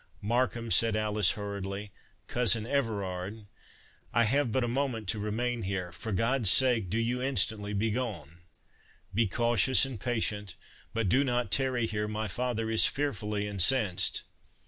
"Markham," said Alice, hurriedly—"Cousin Everard—I have but a moment to remain here—for God's sake, do you instantly begone!—be cautious and patient—but do not tarry here—my father is fearfully incensed."